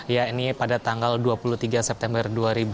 ya ini pada tanggal dua puluh tiga september dua ribu dua puluh